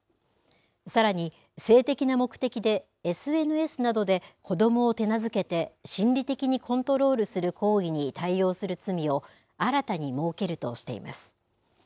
さらに性的な目的でＳＮＳなどで子どもを手なずけて心理的にコントロールする行為に対応する罪を、新たに設けるとしています。